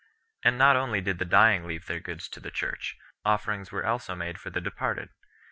And not only did the dying leave their goods to the Church; offerings were also made for the departed.